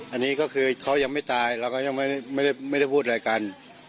อันนี้ก็คือเขายังไม่ตายเราก็ยังไม่ได้พูดอะไรกัน